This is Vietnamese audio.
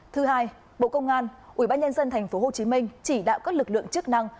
thứ hai bộ công an ủy ban nhân dân tp hcm chỉ đạo các lực lượng chức năng